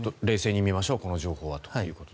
冷静に見ましょうこの情報はと。